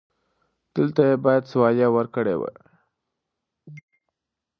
دلته يې بايد سواليه ورکړې و.